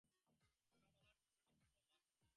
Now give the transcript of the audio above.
পুরবালার ছোটো নৃপবালা।